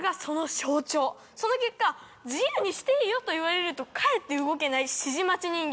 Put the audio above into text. その結果自由にしていいよと言われるとかえって動けない。